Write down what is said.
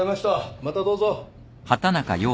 またどうぞ。